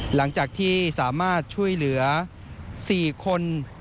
หลังจากที่สามารถช่วยเหลือ๔คน